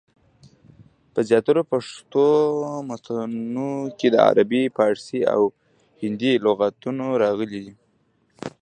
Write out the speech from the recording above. په زیاترو پښتو متونو کي دعربي، پاړسي، او هندي لغتونه راغلي دي.